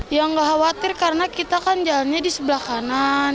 ya nggak khawatir karena kita kan jalannya di sebelah kanan